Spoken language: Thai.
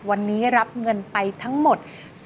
วันนี้รับเงินไปทั้งหมด